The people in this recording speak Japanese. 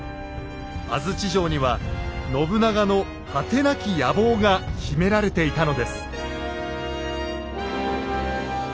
安土城には信長の果てなき野望が秘められていたのです。